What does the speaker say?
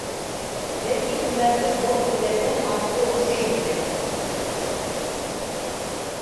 Ләкин Үмәрҙең был һүҙҙәрҙән асыуы көсәйҙе генә: